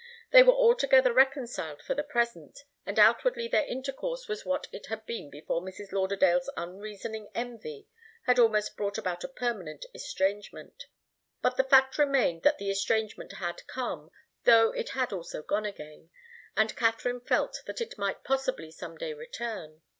They were altogether reconciled for the present, and outwardly their intercourse was what it had been before Mrs. Lauderdale's unreasoning envy had almost brought about a permanent estrangement. But the fact remained that the estrangement had come, though it had also gone again, and Katharine felt that it might possibly some day return.